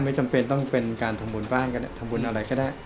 จำเป็นต้องเป็นการทำบุญบ้านก็ได้ทำบุญอะไรก็ได้